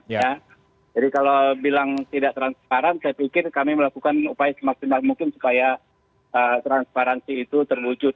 jadi kalau bilang tidak transparan saya pikir kami melakukan upaya semaksimal mungkin supaya transparansi itu terwujud